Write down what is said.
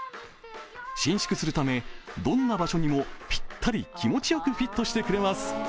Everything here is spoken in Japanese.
伸縮するためどんな場所にもピッタリ、気持ちよくフィットしてくれます。